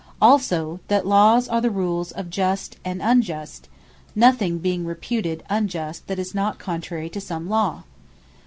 As also, that Lawes are the Rules of Just, and Unjust; nothing being reputed Unjust, that is not contrary to some Law.